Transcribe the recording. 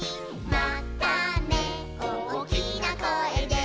「またねおおきなこえで」